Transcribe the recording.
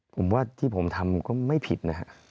ผมว่าที่ผมทำก็ไม่ผิดนะครับ